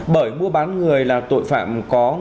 bởi mua bán người là tội phạm có nguồn